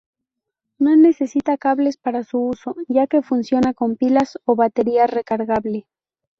No necesita cables para su uso ya que funciona con pilas o batería recargable.